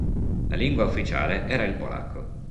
La lingua ufficiale era il polacco.